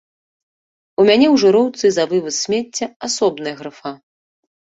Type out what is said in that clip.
У мяне ў жыроўцы за вываз смецця асобная графа!